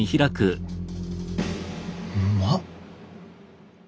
うまっ！